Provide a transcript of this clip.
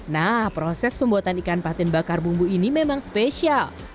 nah proses pembuatan ikan patin bakar bumbu ini memang spesial